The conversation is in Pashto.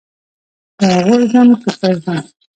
که غورځم که پرځم.